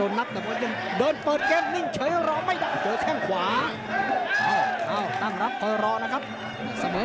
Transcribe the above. โอ้ยอังกฎต่างโดนยุบหนึ่งกันนะ